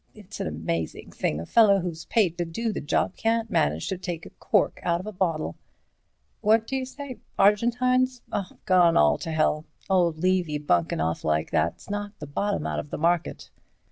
It's an amazing thing a fellow who's paid to do the job can't manage to take a cork out of a bottle. What you say? Argentines? Gone all to hell. Old Levy bunkin' off like that's knocked the bottom out of the market."